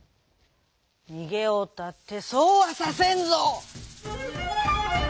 「にげようったってそうはさせんぞ」。